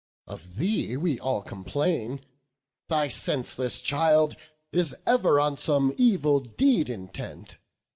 Of thee we all complain; thy senseless child Is ever on some evil deed intent.